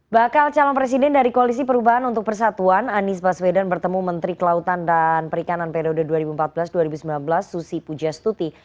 bakal calon presiden dari koalisi perubahan untuk persatuan anies baswedan bertemu menteri kelautan dan perikanan periode dua ribu empat belas dua ribu sembilan belas susi pujastuti